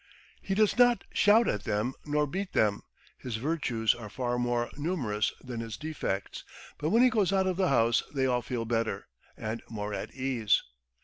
He does not shout at them nor beat them, his virtues are far more numerous than his defects, but when he goes out of the house they all feel better, and more at ease.